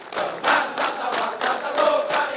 dengan santan warga tanggung kata